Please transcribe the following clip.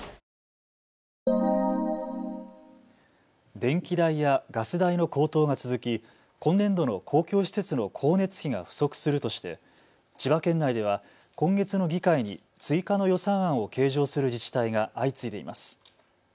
電気代やガス代の高騰が続き今年度の公共施設の光熱費が不足するとして千葉県内では今月の議会に追加の予算案を計上する自治体が相次いでいます。